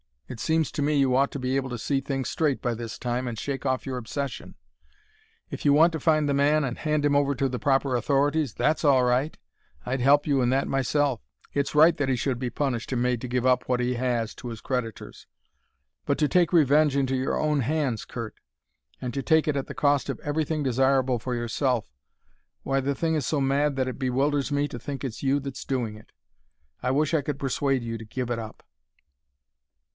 It seems to me you ought to be able to see things straight by this time and shake off your obsession. If you want to find the man and hand him over to the proper authorities that's all right; I'd help you in that myself; it's right that he should be punished and made to give up what he has to his creditors. But to take revenge into your own hands, Curt, and to take it at the cost of everything desirable for yourself why, the thing is so mad that it bewilders me to think it's you that's doing it. I wish I could persuade you to give it up."